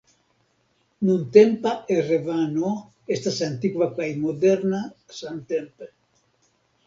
Nuntempa Erevano estas antikva kaj moderna samtempe.